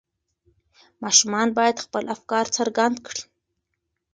ماشومان باید خپل افکار څرګند کړي.